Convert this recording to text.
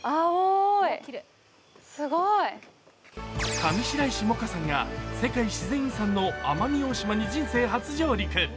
上白石萌歌さんが世界自然遺産の奄美大島に人生初上陸。